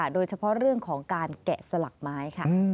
โดยเฉพาะเรื่องของการแกะสลักไม้ค่ะ